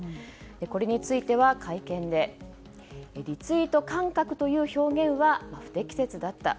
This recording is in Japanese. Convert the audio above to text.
これについては、会見でリツイート感覚という表現は不適切だった。